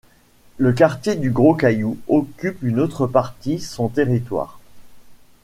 Le quartier du Gros-Caillou occupe une autre partie son territoire.